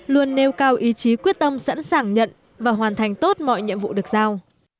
luôn nêu cao ý chí quyết tâm sẵn sàng nhận và hoàn thành tốt mọi nhiệm vụ được giao